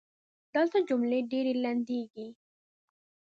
دلته جملې ډېري لنډیږي.